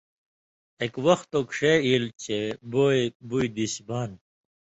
اِک وختوک ݜے ایلوۡ چے بوے بُوئ دِش بانیۡ